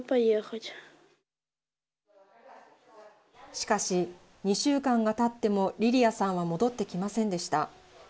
しかし、２週間がたってもリリアさんは戻ってきませんでした。